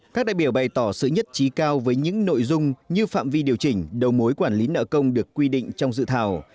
các đại biểu bày tỏ sự nhất trí cao với những nội dung như phạm vi điều chỉnh đầu mối quản lý nợ công được quy định trong dự thảo